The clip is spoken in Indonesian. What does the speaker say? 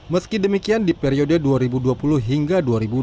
meski demikian di periode dua ribu dua puluh hingga dua ribu dua puluh